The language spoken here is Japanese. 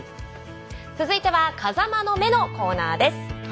続いては「風間の目」のコーナーです。